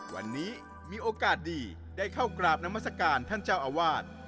วันนี้มีโอกาสดีได้เข้ากราบนามัศกาลท่านเจ้าอาวาส